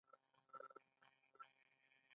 هغه د عدم تشدد لاروی و.